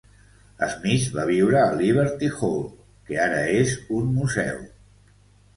Smith va viure a Liberty Hall, que ara és un museu.